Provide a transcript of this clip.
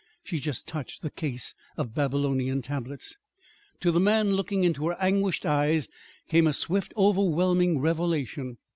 She just touched the case of Babylonian tablets. To the man, looking into her anguished eyes, came a swift, overwhelming revelation.